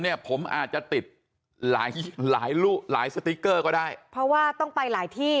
เนี่ยผมอาจจะติดหลายหลายสติ๊กเกอร์ก็ได้เพราะว่าต้องไปหลายที่